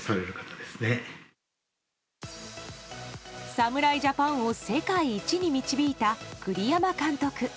侍ジャパンを世界一に導いた栗山監督。